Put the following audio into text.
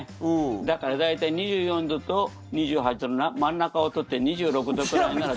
だから大体２４度と２８度の真ん中を取って２６度くらいなら。